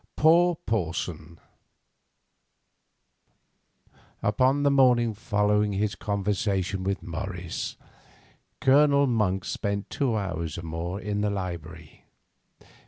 "POOR PORSON" Upon the morning following his conversation with Morris, Colonel Monk spent two hours or more in the library.